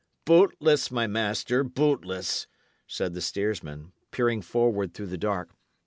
"Bootless, my master, bootless," said the steersman, peering forward through the dark.